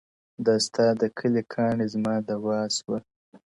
دا ستاد كلي كاڼى زما دوا سوه.!